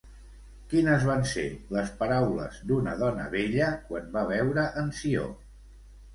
Quines van ser les paraules d'una dona vella quan va veure en Ció?